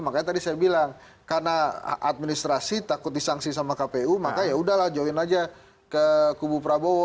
makanya tadi saya bilang karena administrasi takut disangsi sama kpu maka yaudahlah join aja ke kubu prabowo